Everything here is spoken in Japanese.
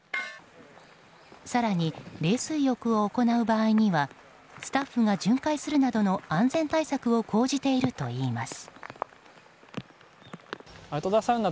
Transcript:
更に、冷水浴を行う場合にはスタッフが巡回するなどの安全対策を講じているといいます。